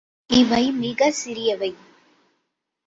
இவை மிகச் சிறியவை.